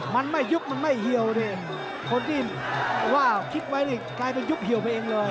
มันไม่ยุบมันไม่เหี่ยวดิคนที่ว่าคิดไว้นี่กลายเป็นยุบเหี่ยวไปเองเลย